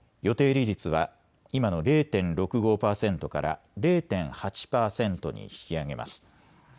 利率は今の０．６５％から０．８％に引き上げます。